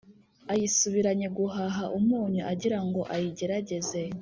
ayisubiranye guhaha umunyu, agira ngo ayigerageze,